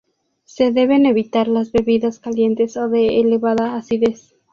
Se deben evitar las bebidas calientes o de elevada acidez.